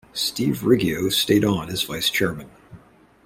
Steve Riggio stayed on as vice chairman.